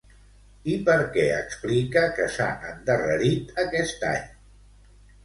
I per què explica que s'ha endarrerit aquest any?